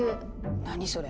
何それ？